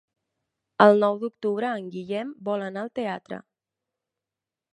El nou d'octubre en Guillem vol anar al teatre.